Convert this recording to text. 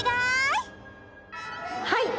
はい。